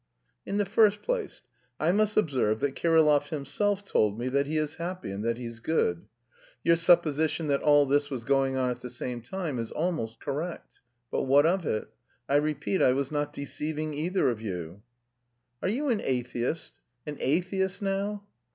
"In the first place, I must observe that Kirillov himself told me that he is happy and that he's good. Your supposition that all this was going on at the same time is almost correct. But what of it? I repeat, I was not deceiving either of you." "Are you an atheist? An atheist now?"